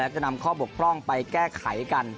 จะนำข้อบกพร่องไปแก้ไขกัน